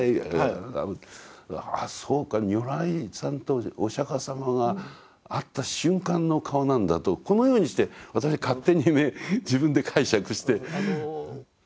あそうか如来さんとお釈様が会った瞬間の顔なんだとこのようにして私勝手にね自分で解釈して。